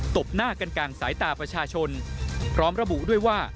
บหน้ากันกลางสายตาประชาชนพร้อมระบุด้วยว่า